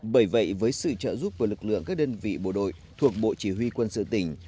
bởi vậy với sự trợ giúp của lực lượng các đơn vị bộ đội thuộc bộ chỉ huy quân sự tỉnh